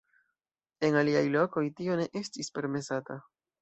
En aliaj lokoj tio ne estis permesata.